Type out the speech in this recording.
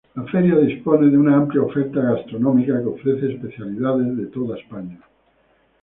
La Feria dispone de una amplia oferta gastronómica que ofrece especialidades de toda España.